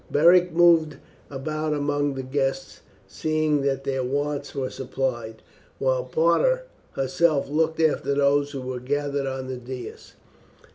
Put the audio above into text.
Beric moved about among the guests, seeing that their wants were supplied, while Parta herself looked after those who were gathered on the dais.